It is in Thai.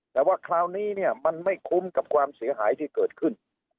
แต่ว่าคราวนี้เนี่ยมันไม่คุ้มกับความเสียหายที่เกิดขึ้น